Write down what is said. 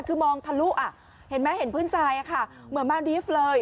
คือมองทะลุอ่ะเห็นไหมเห็นพื้นทรายค่ะเหมือนมาดีฟเลย